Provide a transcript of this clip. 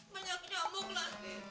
banyak nyamuk lagi